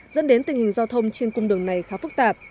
dẫn đến tình hình giao thông trên cung đường này khá phức tạp